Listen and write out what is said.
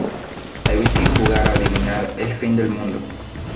evite jugar a adivinar el fin del mundo